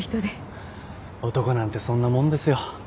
男なんてそんなもんですよ。